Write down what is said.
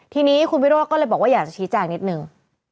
ทีนี้คุณวิโรธก็เลยบอกว่าอยากจะชี้แจงนิดนึง